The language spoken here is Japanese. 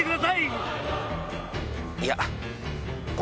いや。